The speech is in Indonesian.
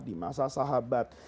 di masa sahabat